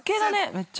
めっちゃ。